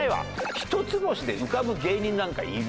一つ星で浮かぶ芸人なんかいる？